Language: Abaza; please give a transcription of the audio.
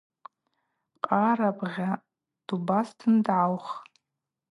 Къарабгъа дубазтын дгӏаух.